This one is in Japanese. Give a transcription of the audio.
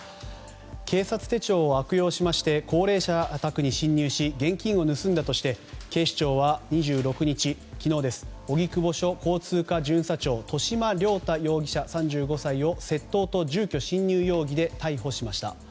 警察手帳を悪用して高齢者宅に侵入し現金を盗んだとして警視庁は２６日荻窪署交通課巡査長戸嶋亮太容疑者３５歳を窃盗と住居侵入容疑で逮捕しました。